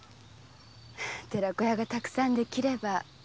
寺子屋がたくさん出来れば。